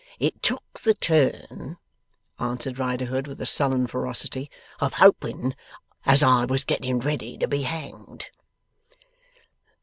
'It took the turn,' answered Riderhood, with sullen ferocity, 'of hoping as I was getting ready to be hanged.